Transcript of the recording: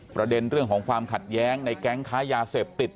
ประเด็นเรื่องของความขัดแย้งในแก๊งค้ายาเสพติด